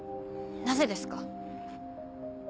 なぜですか？